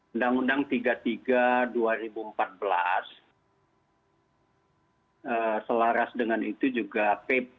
undang undang tiga puluh tiga dua ribu empat belas selaras dengan itu juga pp tiga puluh sembilan dua ribu dua puluh satu